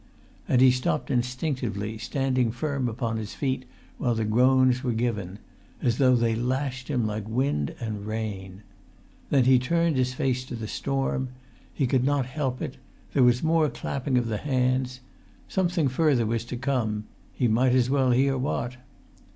And he stopped instinctively, standing firm upon his feet while the groans were given—as though they lashed him like wind and rain. Then he turned his face to the storm. He could not help it. There was more clapping of the hands. Something further was to come; he might as well hear what.